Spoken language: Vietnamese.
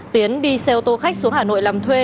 tiến đi xe ô tô khách xuống hà nội làm thuê